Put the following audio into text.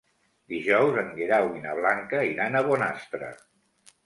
Dijous en Guerau i na Blanca iran a Bonastre.